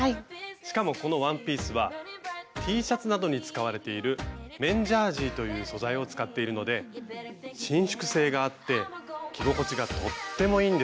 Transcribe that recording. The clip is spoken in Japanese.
しかもこのワンピースはＴシャツなどに使われている「綿ジャージー」という素材を使っているので伸縮性があって着心地がとってもいいんですよ。